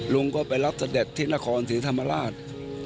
ลุงก็ไปรับเสด็จที่นครศรีธรรมราช